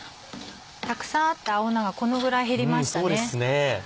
たくさんあった青菜がこのぐらい減りましたね。